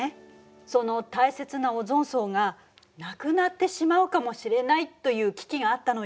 その大切なオゾン層がなくなってしまうかもしれないという危機があったのよ。